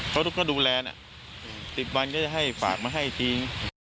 เขาก็ดูแลน่ะ๑๐วันก็จะให้ฝากมาให้ทิ้ง